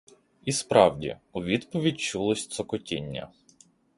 І справді, у відповідь чулось цокотіння.